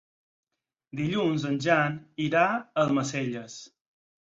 Dilluns en Jan irà a Almacelles.